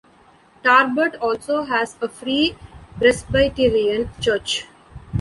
Tarbert also has a Free Presbyterian church.